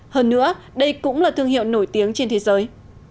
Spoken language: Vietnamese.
hơn nữa đây cũng là thương hiệu nổi tiếng trên thế giới